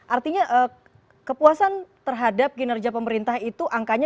artinya kepuasan terhadap kinerja pemerintah itu angkanya di atas lima puluh